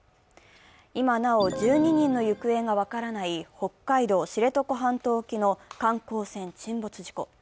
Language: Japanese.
今なお１２人の行方が分からない北海道・知床半島沖の観光船沈没事故。